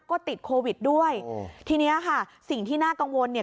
ก็ติดโควิดด้วยทีเนี้ยค่ะสิ่งที่น่ากังวลเนี่ย